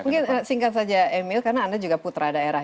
mungkin singkat saja emil karena anda juga putra daerah